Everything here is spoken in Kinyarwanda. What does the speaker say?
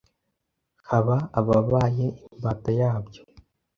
haba ababaye imbata yabyo